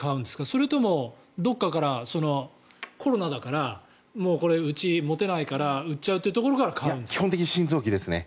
それとも、どこかからコロナだからもううち持てないから売っちゃうというところから基本的に新造機ですね。